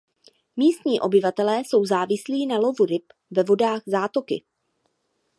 Místní obyvatelé jsou závislí na lovu ryb ve vodách zátoky.